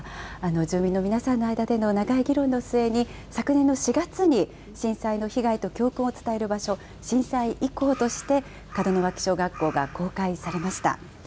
住民の皆さんの間での長い議論の末に、昨年の４月に震災の被害と教訓を伝える場所、震災遺構として門脇小学校が公開されました。